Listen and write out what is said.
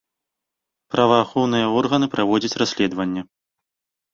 Праваахоўныя органы праводзяць расследаванне.